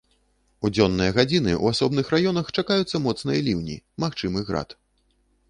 У дзённыя гадзіны ў асобных раёнах чакаюцца моцныя ліўні, магчымы град.